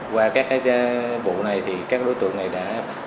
qua các bộ này các đối tượng này đã